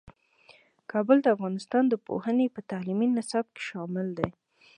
کابل د افغانستان د پوهنې په تعلیمي نصاب کې شامل دی.